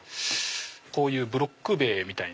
こういうブロック塀みたいな。